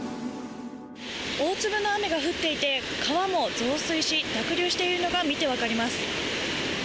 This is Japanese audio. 大粒の雨が降っていて、川も増水し、濁流しているのが見て分かります。